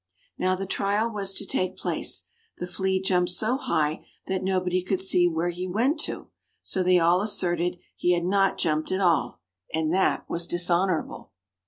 Now the trial was to take place. The Flea jumped so high that nobody could see where he went to; so they all asserted he had not jumped at all; and that was dishonorable.